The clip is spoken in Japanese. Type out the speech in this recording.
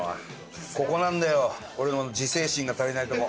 ここなんだよ俺の自制心が足りないとこ。